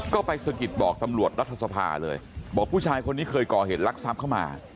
ก็ไปสะกิดบอกตำรวจรัฐสภาเลยบอกผู้ชายคนนี้เคยก่อเหตุลักษัพเข้ามา